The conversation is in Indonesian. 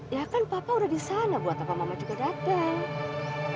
ya kan papa udah di sana buat apa mama juga datang